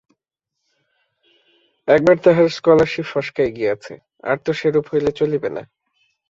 একবার তাহার স্কলারশিপ ফসকাইয়া গিয়াছে, আর তো সেরূপ হইলে চলিবে না।